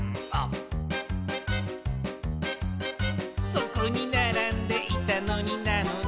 「そこにならんでいたのになのに」